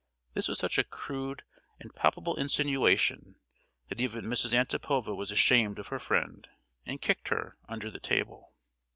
This was such a crude and palpable insinuation that even Mrs. Antipova was ashamed of her friend, and kicked her, under the table.